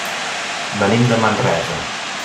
Venim de Manresa.